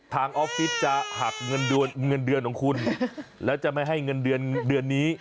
ทางออฟฟิศจะหักเงินเดือนของคุณแล้วจะไม่ให้เงินเดือนเดือนนี้